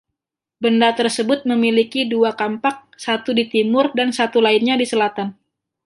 Benda tersebut memiliki dua kampak, satu di timur dan satu lainnya di selatan.